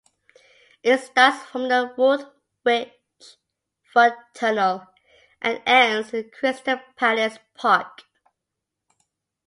It starts from the Woolwich foot tunnel and ends in Crystal Palace Park.